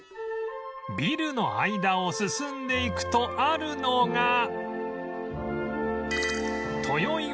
ビルの間を進んでいくとあるのが